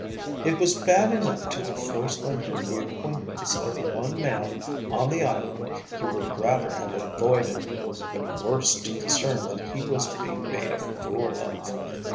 It was bad enough to have forced on him the acquaintance of the one man on the island he would rather have avoided, but worse to discern that he was being made a fool of.